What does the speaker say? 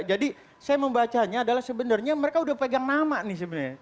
jadi saya membacanya adalah sebenarnya mereka udah pegang nama nih sebenarnya